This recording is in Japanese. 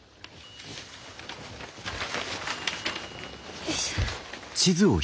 よいしょ。